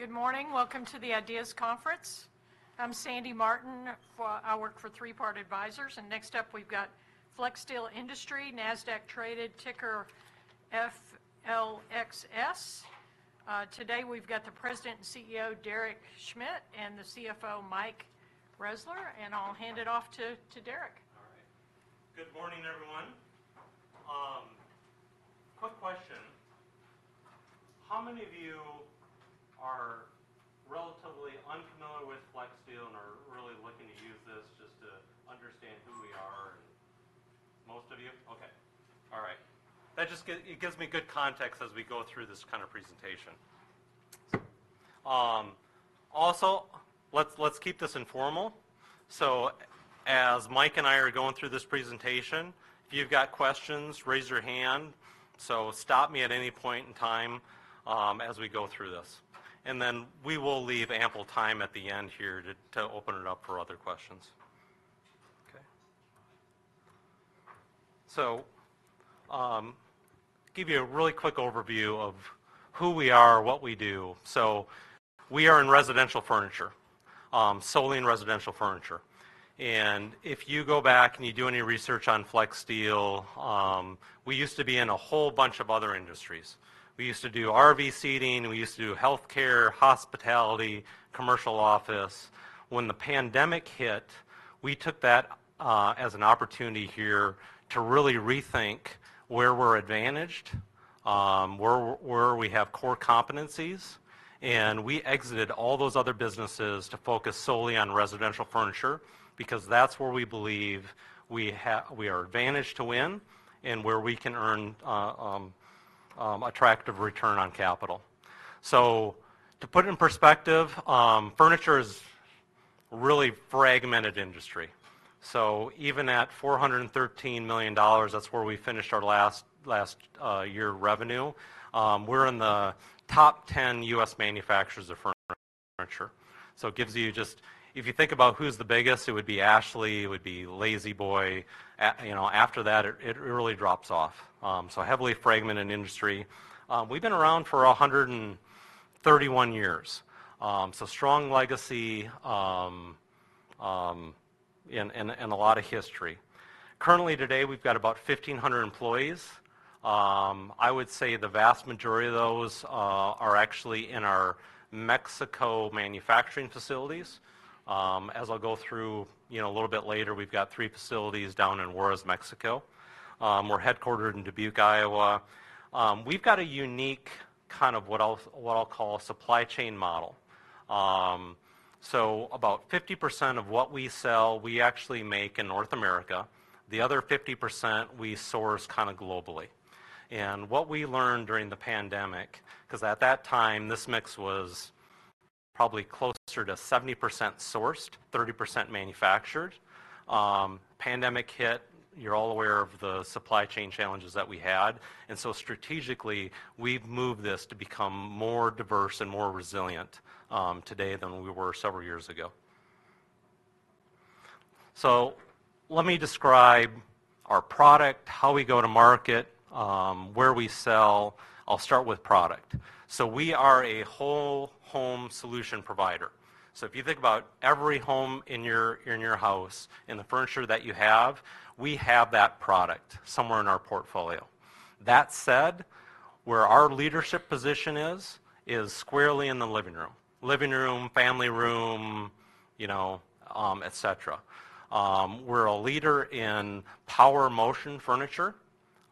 Good morning. Welcome to the IDEAS Conference. I'm Sandy Martin. I work for Three Part Advisors, and next up we've got Flexsteel Industries, Nasdaq-traded, ticker FLXS. Today we've got the President and CEO, Derek Schmidt, and the CFO, Mike Roesler, and I'll hand it off to Derek. All right. Good morning, everyone. Quick question: how many of you are relatively unfamiliar with Flexsteel and are really looking to use this just to understand who we are and... Most of you? Okay. All right. That just it gives me good context as we go through this kind of presentation. Also, let's keep this informal, so as Mike and I are going through this presentation, if you've got questions, raise your hand. So stop me at any point in time, as we go through this. And then we will leave ample time at the end here to open it up for other questions. Okay. So, to give you a really quick overview of who we are, what we do, so we are in residential furniture, solely in residential furniture, and if you go back and you do any research on Flexsteel, we used to be in a whole bunch of other industries. We used to do RV seating, we used to do healthcare, hospitality, commercial office. When the pandemic hit, we took that as an opportunity here to really rethink where we're advantaged, where we have core competencies, and we exited all those other businesses to focus solely on residential furniture, because that's where we believe we are advantaged to win and where we can earn attractive return on capital. So to put it in perspective, furniture is a really fragmented industry. So even at $413 million, that's where we finished our last year of revenue, we're in the top 10 U.S. manufacturers of furniture. So it gives you just, if you think about who's the biggest, it would be Ashley, it would be La-Z-Boy. You know, after that, it really drops off. So a heavily fragmented industry. We've been around for 131 years. So strong legacy, and a lot of history. Currently, today, we've got about 1,500 employees. I would say the vast majority of those are actually in our Mexico manufacturing facilities. As I'll go through, you know, a little bit later, we've got three facilities down in Juárez, Mexico. We're headquartered in Dubuque, Iowa. We've got a unique kind of what I'll call a supply chain model, so about 50% of what we sell, we actually make in North America. The other 50%, we source kind of globally, and what we learned during the pandemic, 'cause at that time, this mix was probably closer to 70% sourced, 30% manufactured. Pandemic hit, you're all aware of the supply chain challenges that we had, and so strategically, we've moved this to become more diverse and more resilient, today than we were several years ago, so let me describe our product, how we go to market, where we sell. I'll start with product. So we are a whole home solution provider. So if you think about every home in your, in your house, and the furniture that you have, we have that product somewhere in our portfolio. That said, where our leadership position is, is squarely in the living room, living room, family room, you know, et cetera. We're a leader in power motion furniture.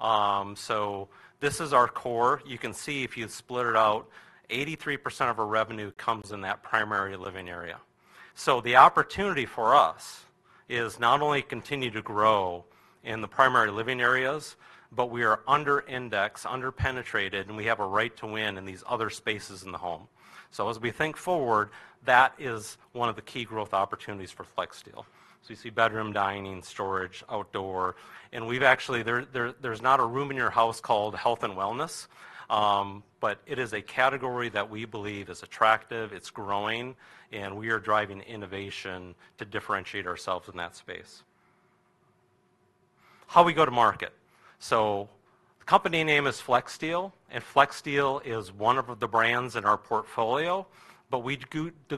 So this is our core. You can see, if you split it out, 83% of our revenue comes in that primary living area. So the opportunity for us is not only continue to grow in the primary living areas, but we are under index, under penetrated, and we have a right to win in these other spaces in the home. So as we think forward, that is one of the key growth opportunities for Flexsteel. So you see bedroom, dining, storage, outdoor, and we've actually, there's not a room in your house called health and wellness, but it is a category that we believe is attractive, it's growing, and we are driving innovation to differentiate ourselves in that space. How we go to market? So the company name is Flexsteel, and Flexsteel is one of the brands in our portfolio, but we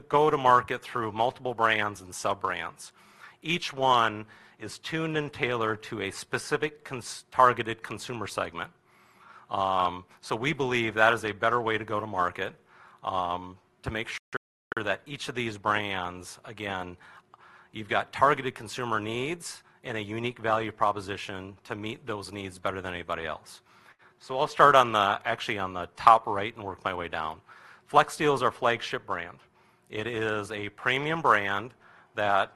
go to market through multiple brands and sub-brands. Each one is tuned and tailored to a specific targeted consumer segment. So we believe that is a better way to go to market, to make sure that each of these brands, again, you've got targeted consumer needs and a unique value proposition to meet those needs better than anybody else. So I'll start on the, actually on the top right and work my way down. Flexsteel is our flagship brand. It is a premium brand that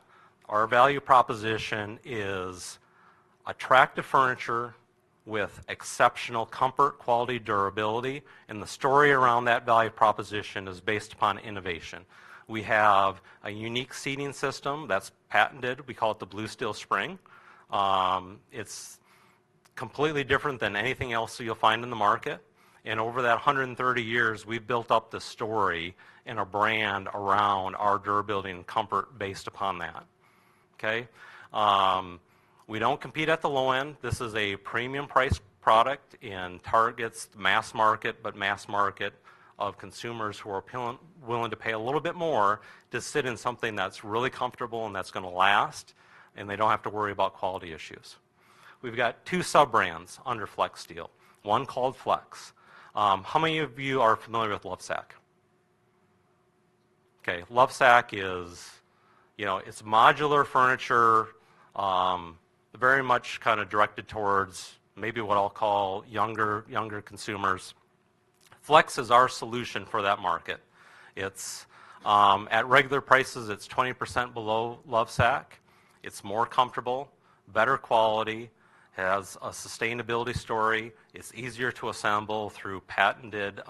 our value proposition is attractive furniture with exceptional comfort, quality, durability, and the story around that value proposition is based upon innovation. We have a unique seating system that's patented. We call it the Blue Steel Spring. It's completely different than anything else that you'll find in the market, and over that hundred and thirty years, we've built up the story and our brand around our durability and comfort based upon that. We don't compete at the low end. This is a premium price product and targets mass market, but mass market of consumers who are willing to pay a little bit more to sit in something that's really comfortable and that's gonna last, and they don't have to worry about quality issues. We've got two sub-brands under Flexsteel, one called Flex. How many of you are familiar with Lovesac? Okay, Lovesac is, you know, it's modular furniture, very much kinda directed towards maybe what I'll call younger consumers. Flex is our solution for that market. It's at regular prices 20% below Lovesac. It's more comfortable, better quality, has a sustainability story, it's easier to assemble through patented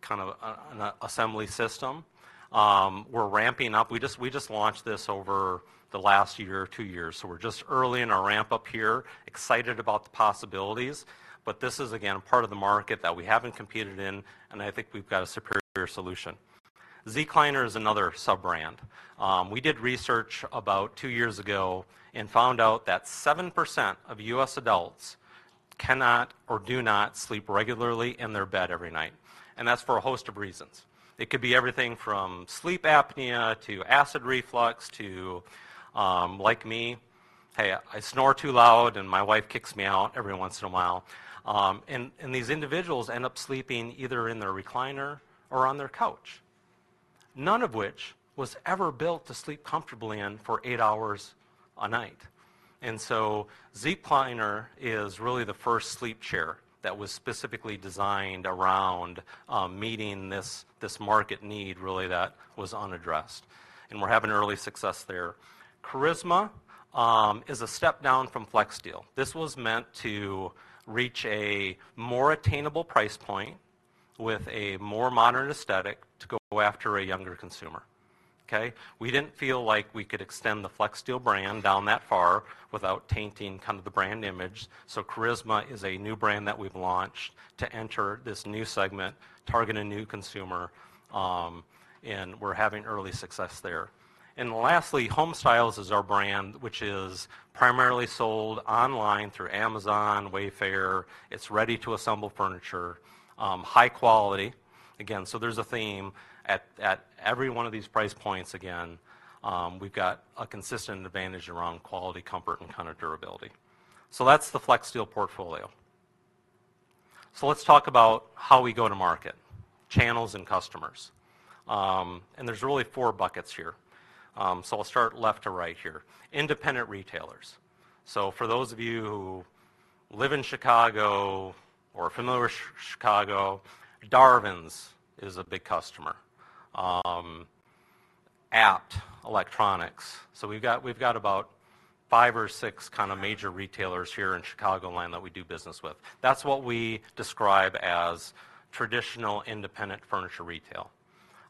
kind of an assembly system. We're ramping up. We just launched this over the last year or two years, so we're just early in our ramp-up here, excited about the possibilities, but this is, again, part of the market that we haven't competed in, and I think we've got a superior solution. Zecliner is another sub-brand. We did research about two years ago and found out that 7% of U.S. adults cannot or do not sleep regularly in their bed every night, and that's for a host of reasons. It could be everything from sleep apnea, to acid reflux, to, like me, hey, I snore too loud, and my wife kicks me out every once in a while. And these individuals end up sleeping either in their recliner or on their couch, none of which was ever built to sleep comfortably in for eight hours a night. So, Zecliner is really the first sleep chair that was specifically designed around meeting this market need, really, that was unaddressed, and we're having early success there. Charisma is a step down from Flexsteel. This was meant to reach a more attainable price point with a more modern aesthetic to go after a younger consumer. Okay? We didn't feel like we could extend the Flexsteel brand down that far without tainting kind of the brand image, so Charisma is a new brand that we've launched to enter this new segment, target a new consumer, and we're having early success there. And lastly, Homestyles is our brand, which is primarily sold online through Amazon, Wayfair. It's ready-to-assemble furniture, high quality. Again, so there's a theme at every one of these price points again, we've got a consistent advantage around quality, comfort, and kind of durability. So that's the Flexsteel portfolio. So let's talk about how we go to market: channels and customers. And there's really four buckets here. So I'll start left to right here. Independent retailers. So for those of you who live in Chicago or are familiar with Chicago, Darvin's is a big customer. Abt Electronics. So we've got about five or six kind of major retailers here in Chicagoland that we do business with. That's what we describe as traditional independent furniture retail.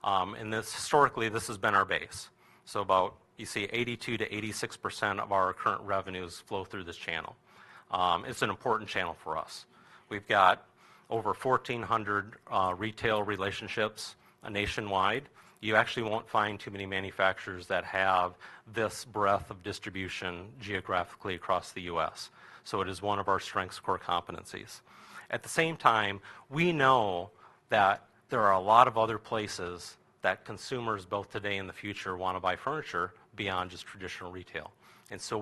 And this, historically, this has been our base, so about, you see, 82%-86% of our current revenues flow through this channel. It's an important channel for us. We've got over 1,400 retail relationships nationwide. You actually won't find too many manufacturers that have this breadth of distribution geographically across the U.S., so it is one of our strength's core competencies. At the same time, we know that there are a lot of other places that consumers, both today and the future, want to buy furniture beyond just traditional retail.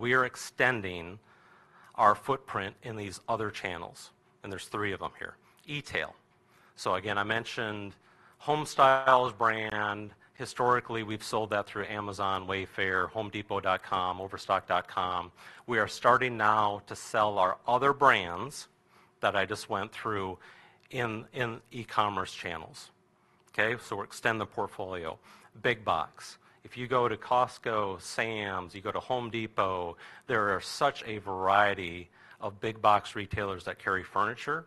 We are extending our footprint in these other channels, and there's three of them here. E-tail. So again, I mentioned Homestyles brand. Historically, we've sold that through Amazon, Wayfair, HomeDepot.com, Overstock.com. We are starting now to sell our other brands, that I just went through, in e-commerce channels. Okay? So we're extending the portfolio. Big box. If you go to Costco, Sam's, you go to Home Depot, there are such a variety of big box retailers that carry furniture.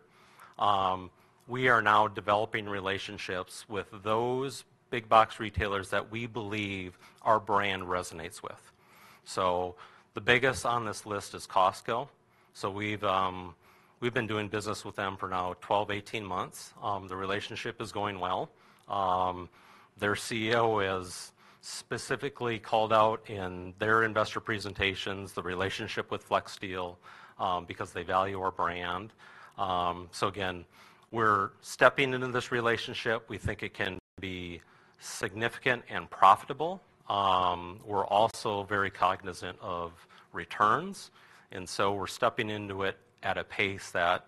We are now developing relationships with those big box retailers that we believe our brand resonates with. So the biggest on this list is Costco. So we've been doing business with them for now 12-18 months. The relationship is going well. Their CEO has specifically called out in their investor presentations the relationship with Flexsteel, because they value our brand. So again, we're stepping into this relationship. We think it can be significant and profitable. We're also very cognizant of returns, and so we're stepping into it at a pace that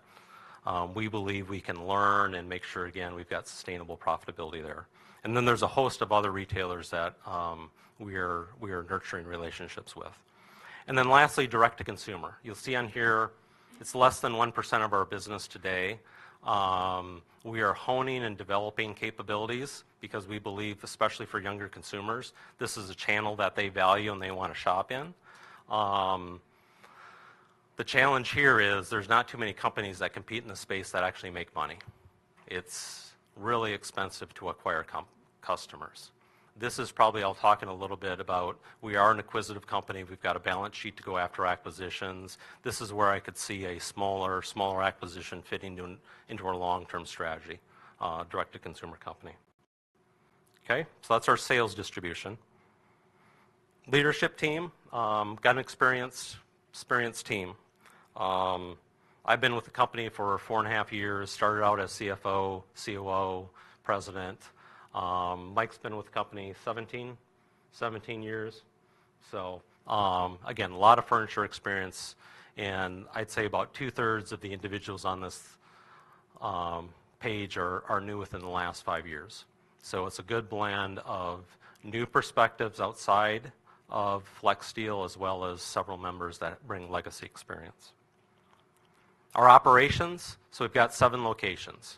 we believe we can learn and make sure, again, we've got sustainable profitability there. And then there's a host of other retailers that we're nurturing relationships with. And then lastly, direct-to-consumer. You'll see on here, it's less than 1% of our business today. We are honing and developing capabilities because we believe, especially for younger consumers, this is a channel that they value and they want to shop in. The challenge here is, there's not too many companies that compete in this space that actually make money. It's really expensive to acquire customers. This is probably... I'll talk in a little bit about we are an acquisitive company. We've got a balance sheet to go after acquisitions. This is where I could see a smaller acquisition fitting into our long-term strategy, direct-to-consumer company. Okay, so that's our sales distribution. Leadership team got an experienced team. I've been with the company for four and a half years, started out as CFO, COO, president. Mike's been with the company 17 years. So again, a lot of furniture experience, and I'd say about two-thirds of the individuals on this page are new within the last five years. So it's a good blend of new perspectives outside of Flexsteel, as well as several members that bring legacy experience. Our operations, so we've got seven locations.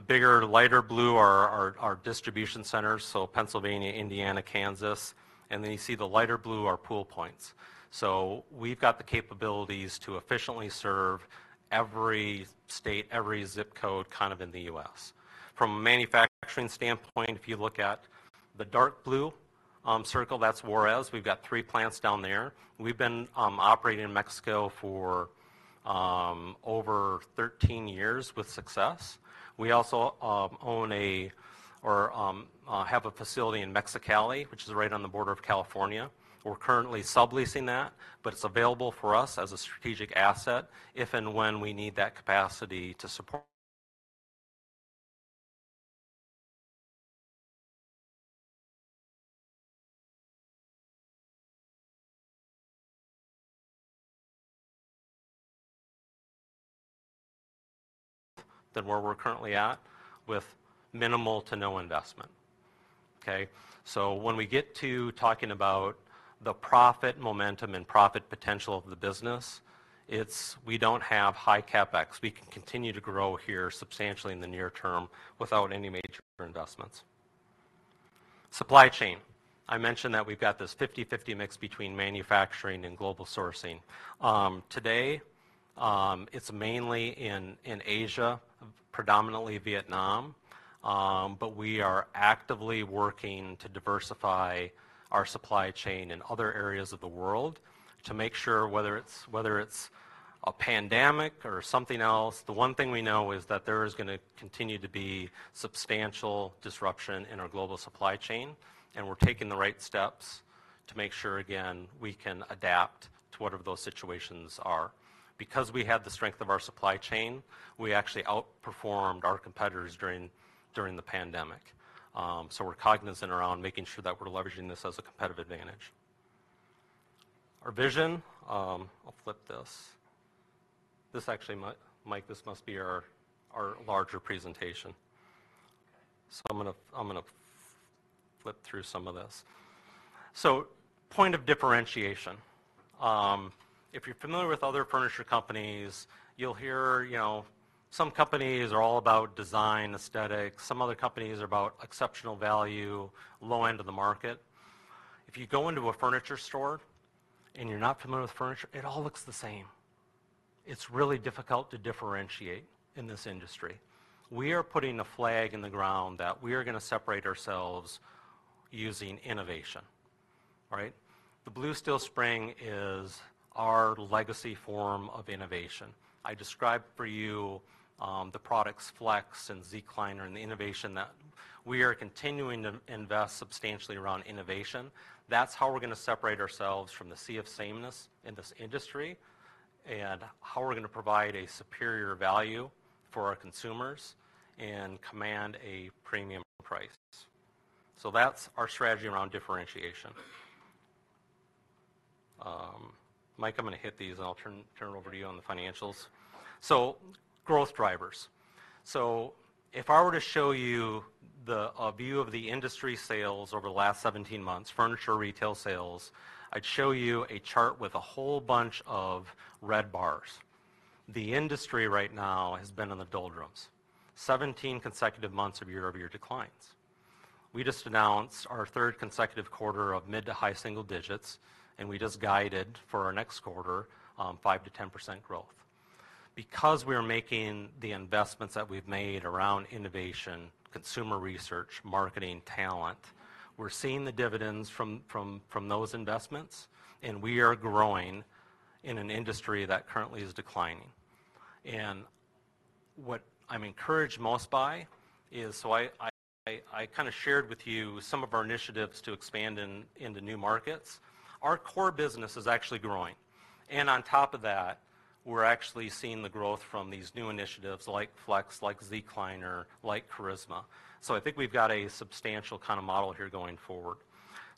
The bigger, lighter blue are our distribution centers, so Pennsylvania, Indiana, Kansas, and then you see the lighter blue are pool points. So we've got the capabilities to efficiently serve every state, every zip code, kind of in the U.S. From a manufacturing standpoint, if you look at the dark blue circle, that's Juárez. We've got three plants down there. We've been operating in Mexico for over 13 years with success. We also own or have a facility in Mexicali, which is right on the border of California. We're currently subleasing that, but it's available for us as a strategic asset, if and when we need that capacity to support than where we're currently at, with minimal to no investment, okay? So when we get to talking about the profit momentum and profit potential of the business, it's, we don't have high CapEx. We can continue to grow here substantially in the near term, without any major investments. Supply chain. I mentioned that we've got this 50-50 mix between manufacturing and global sourcing. Today, it's mainly in Asia, predominantly Vietnam. But we are actively working to diversify our supply chain in other areas of the world, to make sure whether it's a pandemic or something else, the one thing we know is that there is gonna continue to be substantial disruption in our global supply chain, and we're taking the right steps to make sure, again, we can adapt to whatever those situations are. Because we had the strength of our supply chain, we actually outperformed our competitors during the pandemic. So we're cognizant around making sure that we're leveraging this as a competitive advantage. Our vision... I'll flip this. This actually might- Mike, this must be our larger presentation. Okay. So I'm gonna flip through some of this. So, point of differentiation. If you're familiar with other furniture companies, you'll hear, you know, some companies are all about design, aesthetics. Some other companies are about exceptional value, low end of the market. If you go into a furniture store, and you're not familiar with furniture, it all looks the same. It's really difficult to differentiate in this industry. We are putting a flag in the ground that we are gonna separate ourselves using innovation. Right? The Blue Steel Spring is our legacy form of innovation. I described for you, the products Flex and Zecliner, and the innovation that we are continuing to invest substantially around innovation. That's how we're gonna separate ourselves from the sea of sameness in this industry, and how we're gonna provide a superior value for our consumers and command a premium price. So that's our strategy around differentiation. Mike, I'm gonna hit these, and I'll turn it over to you on the financials. So growth drivers. So if I were to show you a view of the industry sales over the last seventeen months, furniture retail sales, I'd show you a chart with a whole bunch of red bars. The industry right now has been in the doldrums. 17 consecutive months of year-over-year declines. We just announced our third consecutive quarter of mid to high single digits, and we just guided for our next quarter, 5%-10% growth. Because we are making the investments that we've made around innovation, consumer research, marketing, talent, we're seeing the dividends from those investments, and we are growing in an industry that currently is declining. And what I'm encouraged most by is so I kinda shared with you some of our initiatives to expand into new markets. Our core business is actually growing. And on top of that, we're actually seeing the growth from these new initiatives like Flex, like Zecliner, like Charisma. So I think we've got a substantial kinda model here going forward.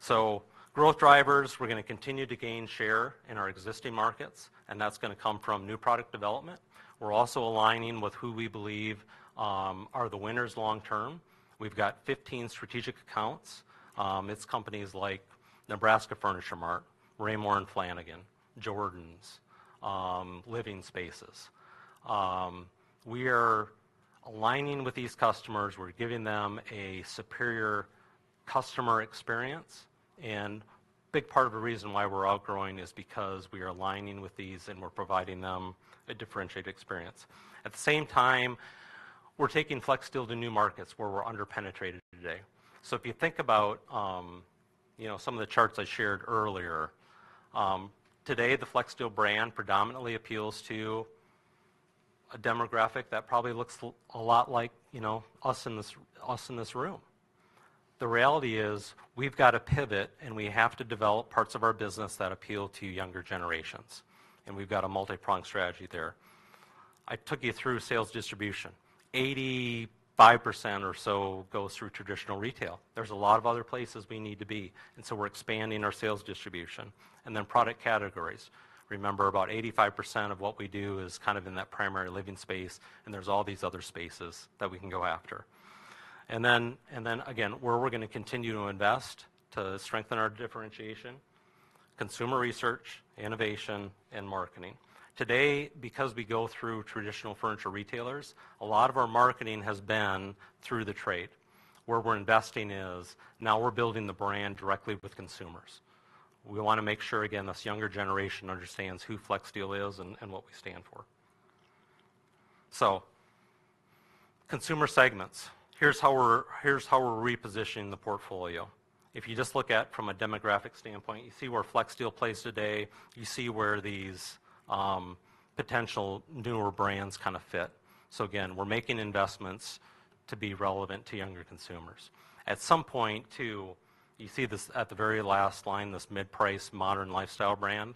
So growth drivers, we're gonna continue to gain share in our existing markets, and that's gonna come from new product development. We're also aligning with who we believe are the winners long term. We've got 15 strategic accounts. It's companies like Nebraska Furniture Mart, Raymour & Flanigan, Jordan's, Living Spaces. We are aligning with these customers. We're giving them a superior customer experience, and big part of the reason why we're outgrowing is because we are aligning with these, and we're providing them a differentiated experience. At the same time, we're taking Flexsteel to new markets where we're under-penetrated today. So if you think about, you know, some of the charts I shared earlier, today, the Flexsteel brand predominantly appeals to a demographic that probably looks a lot like, you know, us in this room. The reality is, we've got to pivot, and we have to develop parts of our business that appeal to younger generations, and we've got a multi-pronged strategy there. I took you through sales distribution. 85% or so goes through traditional retail. There's a lot of other places we need to be, and so we're expanding our sales distribution. And then product categories. Remember, about 85% of what we do is kind of in that primary living space, and there's all these other spaces that we can go after. And then, and then again, where we're gonna continue to invest to strengthen our differentiation: consumer research, innovation, and marketing. Today, because we go through traditional furniture retailers, a lot of our marketing has been through the trade. Where we're investing is now we're building the brand directly with consumers. We wanna make sure, again, this younger generation understands who Flexsteel is and, and what we stand for. So consumer segments, here's how we're repositioning the portfolio. If you just look at from a demographic standpoint, you see where Flexsteel plays today. You see where these potential newer brands kinda fit. So again, we're making investments to be relevant to younger consumers. At some point, too, you see this at the very last line, this mid-price, modern lifestyle brand.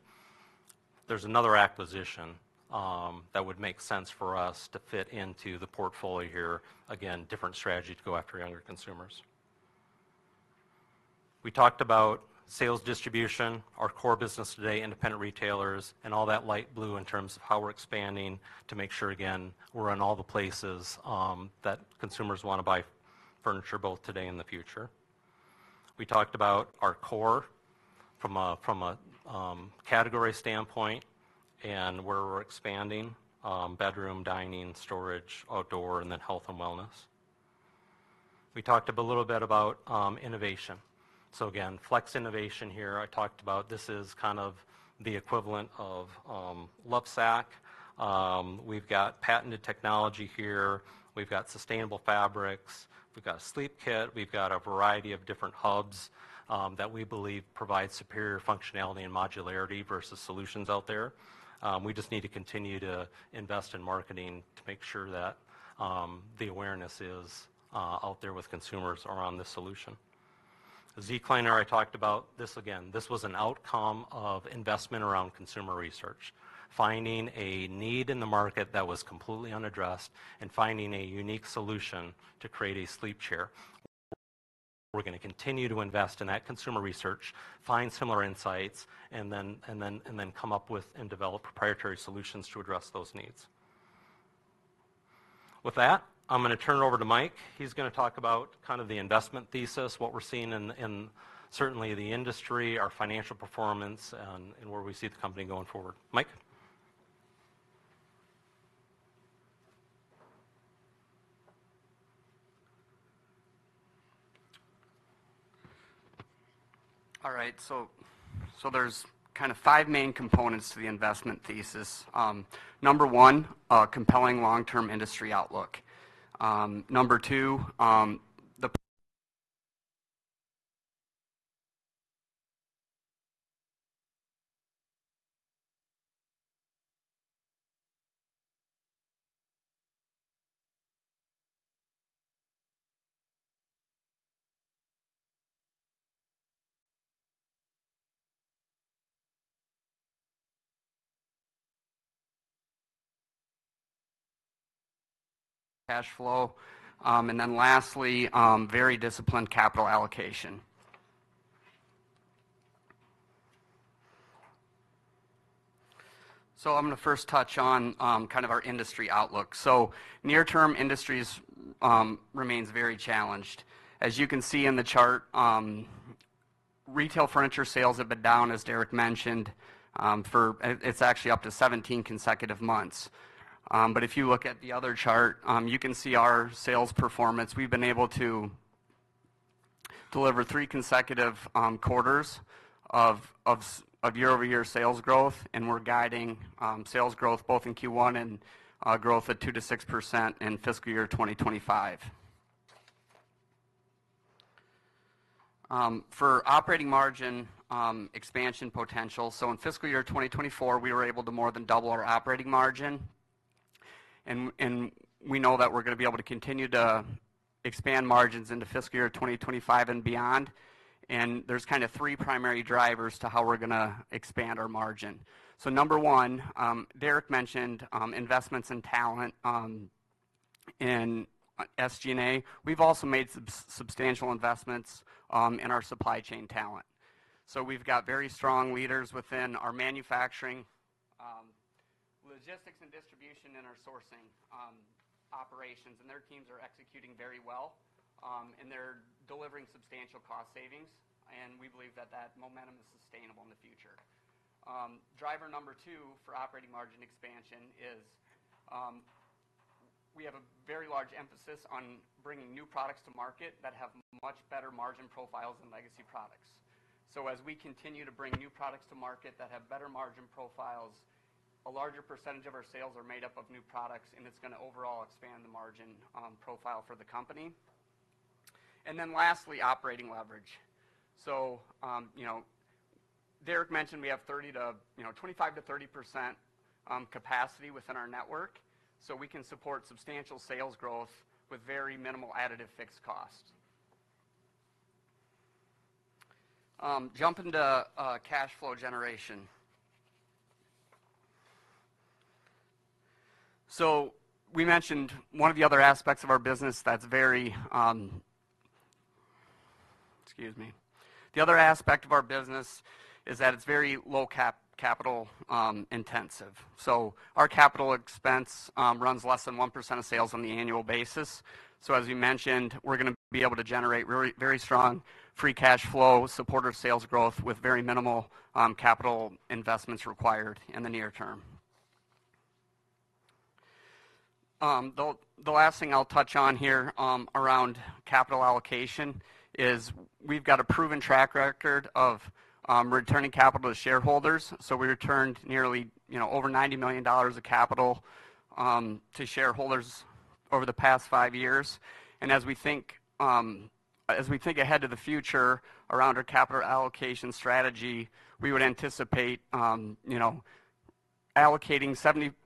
There's another acquisition that would make sense for us to fit into the portfolio here. Again, different strategy to go after younger consumers. We talked about sales distribution, our core business today, independent retailers, and all that light blue in terms of how we're expanding to make sure, again, we're in all the places that consumers wanna buy furniture, both today and the future. We talked about our core from a category standpoint and where we're expanding: bedroom, dining, storage, outdoor, and then health and wellness. We talked a little bit about innovation. So again, Flex Innovation here. I talked about this. This is kind of the equivalent of Lovesac. We've got patented technology here. We've got sustainable fabrics. We've got a sleep kit. We've got a variety of different hubs that we believe provide superior functionality and modularity versus solutions out there. We just need to continue to invest in marketing to make sure that the awareness is out there with consumers around this solution. Zecliner, I talked about this again. This was an outcome of investment around consumer research. Finding a need in the market that was completely unaddressed and finding a unique solution to create a sleep chair. We're gonna continue to invest in that consumer research, find similar insights, and then come up with and develop proprietary solutions to address those needs. With that, I'm gonna turn it over to Mike. He's gonna talk about kind of the investment thesis, what we're seeing in certainly the industry, our financial performance, and where we see the company going forward. Mike? All right, so there's kind of five main components to the investment thesis. Number one, a compelling long-term industry outlook. Number two, the cash flow. And then lastly, very disciplined capital allocation. So I'm gonna first touch on kind of our industry outlook. Near-term industry remains very challenged. As you can see in the chart, retail furniture sales have been down, as Derek mentioned, for it's actually up to 17 consecutive months. But if you look at the other chart, you can see our sales performance. We've been able to deliver three consecutive quarters of year-over-year sales growth, and we're guiding sales growth both in Q1 and growth at 2%-6% in fiscal year 2025. For operating margin expansion potential, in fiscal year 2024, we were able to more than double our operating margin, and we know that we're gonna be able to continue to expand margins into fiscal year 2025 and beyond. There's kinda three primary drivers to how we're gonna expand our margin. Number one, Derek mentioned investments in talent in SG&A. We've also made substantial investments in our supply chain talent. We've got very strong leaders within our manufacturing, logistics and distribution, and our sourcing operations, and their teams are executing very well, and they're delivering substantial cost savings, and we believe that that momentum is sustainable in the future. Driver number two for operating margin expansion is, we have a very large emphasis on bringing new products to market that have much better margin profiles than legacy products. So as we continue to bring new products to market that have better margin profiles, a larger percentage of our sales are made up of new products, and it's gonna overall expand the margin profile for the company, and then lastly, operating leverage. So, you know, Derek mentioned we have 30 to, you know, 25%-30% capacity within our network, so we can support substantial sales growth with very minimal additive fixed costs. Jumping to cash flow generation. So we mentioned one of the other aspects of our business that's very low capital intensive. So our capital expense runs less than 1% of sales on the annual basis. So as you mentioned, we're gonna be able to generate very, very strong free cash flow, support our sales growth with very minimal capital investments required in the near term. The last thing I'll touch on here around capital allocation is we've got a proven track record of returning capital to shareholders. So we returned nearly, you know, over $90 million of capital to shareholders over the past five years. And as we think ahead to the future around our capital allocation strategy, we would anticipate, you know, allocating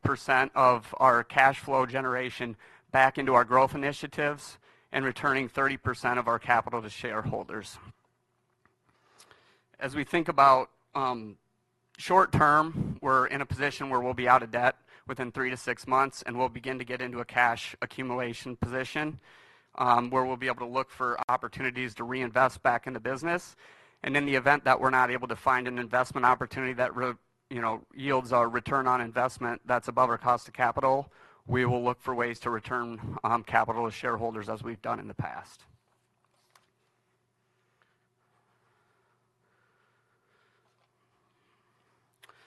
70% of our cash flow generation back into our growth initiatives and returning 30% of our capital to shareholders. As we think about short term, we're in a position where we'll be out of debt within three to six months, and we'll begin to get into a cash accumulation position, where we'll be able to look for opportunities to reinvest back in the business, and in the event that we're not able to find an investment opportunity that you know yields a return on investment that's above our cost of capital, we will look for ways to return capital to shareholders, as we've done in the past,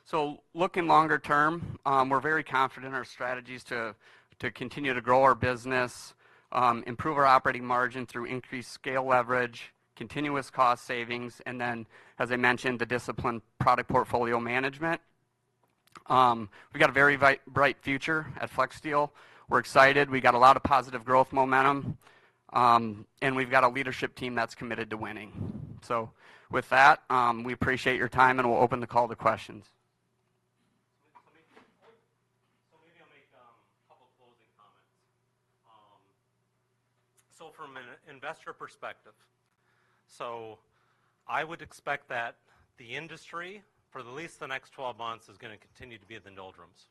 so looking longer term, we're very confident in our strategies to continue to grow our business, improve our operating margin through increased scale leverage, continuous cost savings, and then, as I mentioned, the disciplined product portfolio management. We've got a very bright future at Flexsteel. We're excited. We got a lot of positive growth momentum, and we've got a leadership team that's committed to winning. So with that, we appreciate your time, and we'll open the call to questions. So maybe I'll make a couple closing comments. So from an investor perspective, so I would expect that the industry, for at least the next twelve months, is gonna continue to be at the doldrums.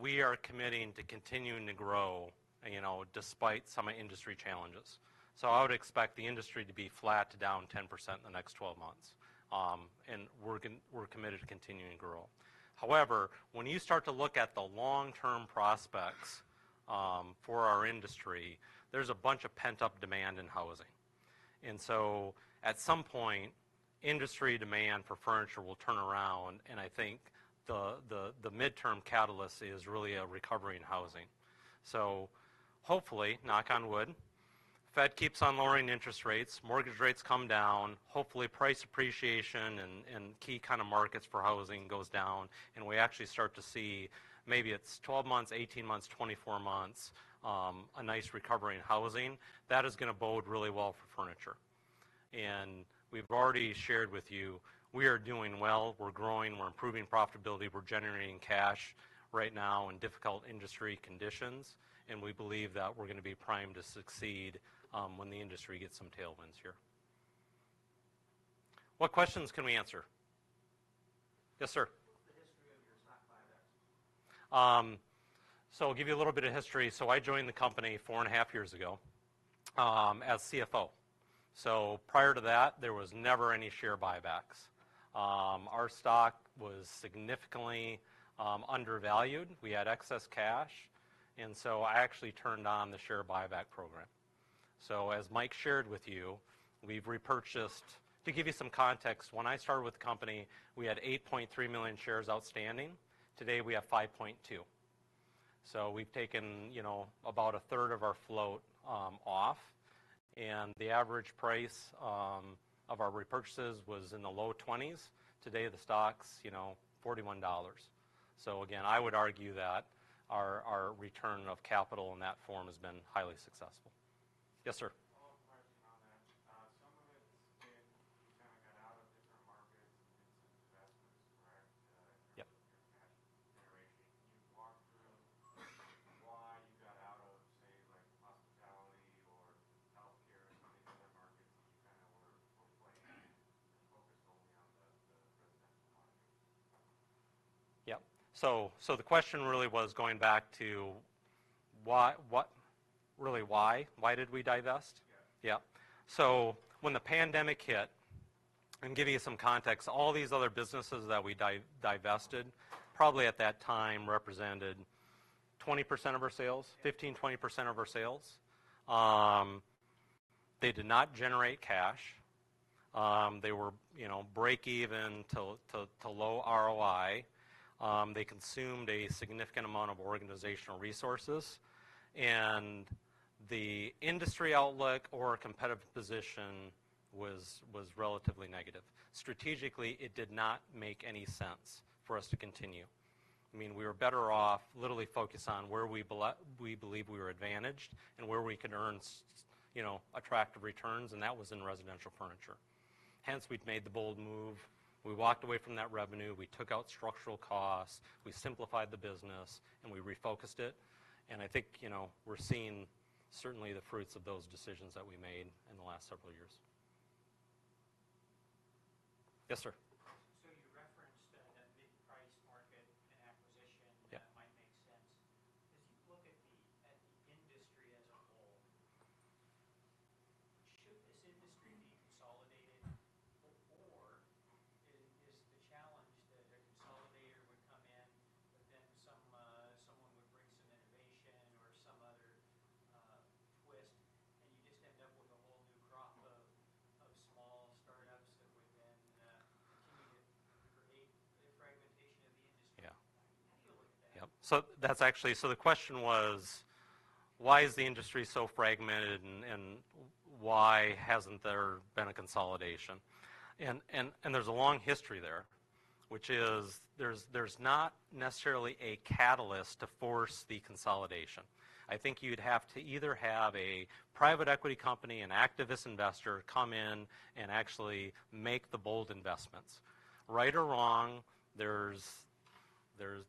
We are committing to continuing to grow, you know, despite some industry challenges. So I would expect the industry to be flat to down 10% in the next twelve months. And we're committed to continuing to grow. However, when you start to look at the long-term prospects, for our industry, there's a bunch of pent-up demand in housing. And so at some point, industry demand for furniture will turn around, and I think the midterm catalyst is really a recovery in housing. So hopefully, knock on wood, Fed keeps on lowering interest rates, mortgage rates come down, hopefully, price appreciation in key kind of markets for housing goes down, and we actually start to see maybe it's 12 months, 18 months, 24 months, a nice recovery in housing. That is gonna bode really well for furniture. And we've already shared with you, we are doing well, we're growing, we're improving profitability, we're generating cash right now in difficult industry conditions, and we believe that we're gonna be primed to succeed when the industry gets some tailwinds here. What questions can we answer? Yes, sir. What's the history of your stock buybacks? I'll give you a little bit of history. So I joined the company four and a half years ago as CFO. Prior to that, there was never any share buybacks. Our stock was significantly undervalued. We had excess cash, and so I actually turned on the share buyback program. So as Mike shared with you, we've repurchased. To give you some context, when I started with the company, we had 8.3 million shares outstanding. Today, we have 5.2. So we've taken, you know, about a third of our float off, and the average price of our repurchases was in the low twenties. Today, the stock's, you know, $41. So again, I would argue that our return of capital in that form has been highly successful. Yes, sir. Follow-up question on that. Some of it's been, you kinda got out of different markets and made some investments, correct? Yep. With your cash generation. Can you walk through why you got out of, say, like hospitality or healthcare or some of the other markets that you kinda were focused on and focused only on the, the residential market? Yep. So the question really was going back to why? Why did we divest? Yeah. Yep. So when the pandemic hit, I'm giving you some context, all these other businesses that we divested, probably at that time represented 20% of our sales, 15%-20% of our sales. They did not generate cash. They were, you know, break even to low ROI. They consumed a significant amount of organizational resources, and the industry outlook or competitive position was relatively negative. Strategically, it did not make any sense for us to continue. I mean, we were better off literally focused on where we believe we were advantaged and where we could earn, you know, attractive returns, and that was in residential furniture. Hence, we'd made the bold move. We walked away from that revenue, we took out structural costs, we simplified the business, and we refocused it, and I think, you know, we're seeing certainly the fruits of those decisions that we made in the last several years. Yes, sir? You referenced a mid-price market and acquisition- Yeah -that might make sense. As you look at the industry as a whole, should this industry be consolidated, or is the challenge that a consolidator would come in, but then some someone would bring some innovation or some other twist, and you just end up with a whole new crop of small startups that would then continue to create the fragmentation of the industry? Yeah. How do you look at that? Yep, so that's actually the question: why is the industry so fragmented, and why hasn't there been a consolidation? There's a long history there, which is there's not necessarily a catalyst to force the consolidation. I think you'd have to either have a private equity company, an activist investor, come in and actually make the bold investments. Right or wrong,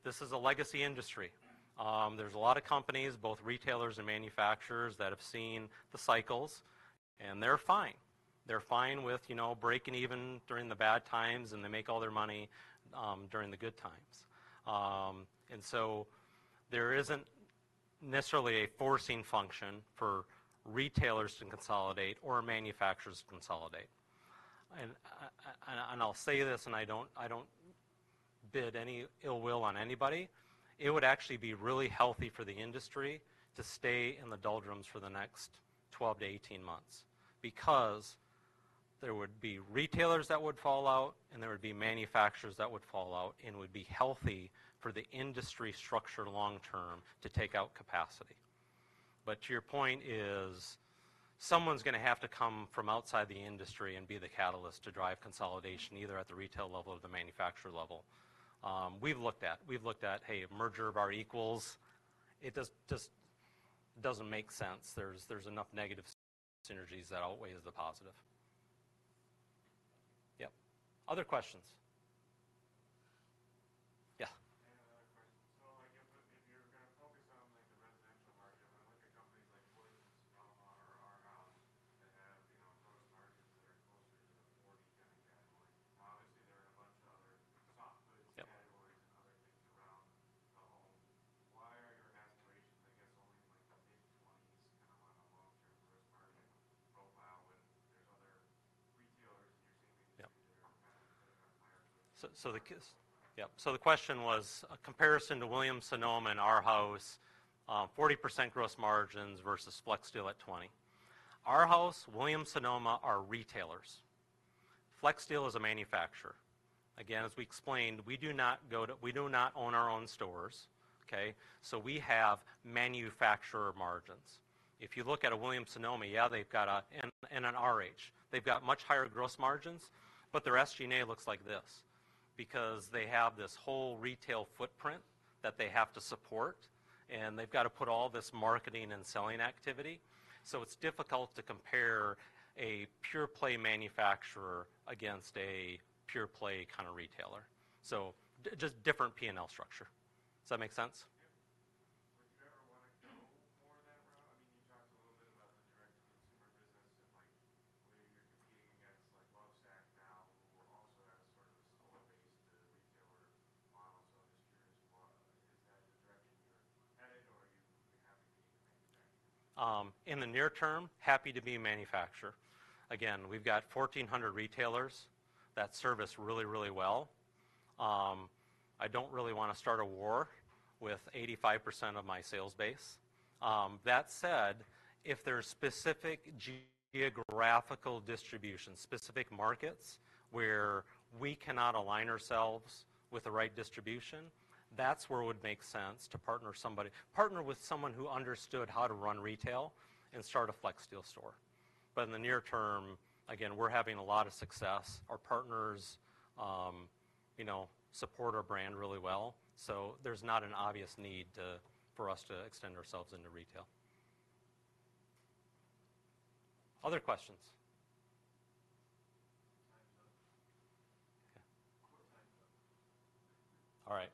this is a legacy industry. Yeah. There's a lot of companies, both retailers and manufacturers, that have seen the cycles, and they're fine. They're fine with, you know, breaking even during the bad times, and they make all their money, during the good times. And so there isn't necessarily a forcing function for retailers to consolidate or manufacturers to consolidate. And, I'll say this, and I don't bid any ill will on anybody: it would actually be really healthy for the industry to stay in the doldrums for the next 12-18 months because there would be retailers that would fall out, and there would be manufacturers that would fall out, and it would be healthy for the industry structure long term to take out capacity. But to your point is, someone's gonna have to come from outside the industry and be the catalyst to drive consolidation, either at the retail level or the manufacturer level. We've looked at, hey, a merger of our equals. It just doesn't make sense. There's enough negative synergies that outweighs the positive. Yep. Other questions? Yeah. I have another question. So, like if you're gonna focus on, like, the residential market, when I look at companies like Williams-Sonoma or RH that have, you know, gross margins that are closer to the 40 kind of category. Obviously, there are a bunch of other soft goods- Yep... categories and other things around the home. Why are your aspirations, I guess, only in like the mid-twenties kind of on a long-term gross margin profile when there's other retailers that you're seeing- Yep that are higher? So the question was a comparison to Williams-Sonoma and RH, 40% gross margins versus Flexsteel at 20%. RH, Williams-Sonoma are retailers. Flexsteel is a manufacturer. Again, as we explained, we do not go to we do not own our own stores, okay? So we have manufacturer margins. If you look at a Williams-Sonoma, yeah, they've got and an RH. They've got much higher gross margins, but their SG&A looks like this because they have this whole retail footprint that they have to support, and they've got to put all this marketing and selling activity. So it's difficult to compare a pure play manufacturer against a pure play kind of retailer. So just different P&L structure. Does that make sense? Yep. Would you ever wanna go more that route? I mean, you talked a little bit about the direct-to-consumer business and, like, where you're competing against, like, Lovesac now, but also that sort of similar base to the retailer model. So I'm just curious, what is that the direction you're headed, or are you happy to be a manufacturer? In the near term, happy to be a manufacturer. Again, we've got 1,400 retailers that service really, really well. I don't really wanna start a war with 85% of my sales base. That said, if there are specific geographical distributions, specific markets where we cannot align ourselves with the right distribution, that's where it would make sense to partner with someone who understood how to run retail and start a Flexsteel store. But in the near term, again, we're having a lot of success. Our partners, you know, support our brand really well, so there's not an obvious need for us to extend ourselves into retail. Other questions? Time's up. Okay. Your time's up. All right.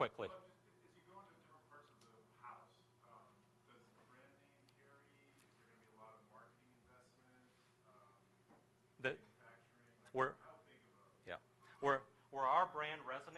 Here, quickly. Well, as you go into different parts of the house, does the brand name carry? Is there gonna be a lot of marketing investment? The-... manufacturing? Where- How big of a- Yeah. Where our brand resonates-